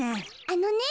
あのね